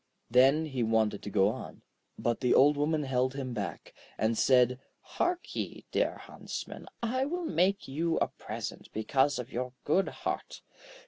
Then he wanted to go on. But the Old Woman held him back, and said: 'Hark ye, dear Huntsman, I will make you a present because of your good heart.